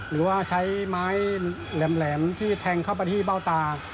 หรือว่าใช้ไม้แหลมที่แทงเข้าไปที่เบ้าตา